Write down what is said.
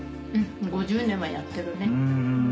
５０年はやってるね。